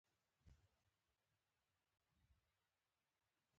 لکه څرنګه چې د امریکا ولسمشر ډونلډ ټرمپ منځني ختیځ ته په سفر وتلی.